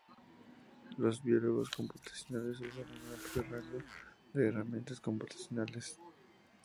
Los biólogos computacionales usan un amplio rango de herramientas computacionales.